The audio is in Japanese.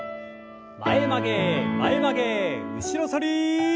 前曲げ前曲げ後ろ反り。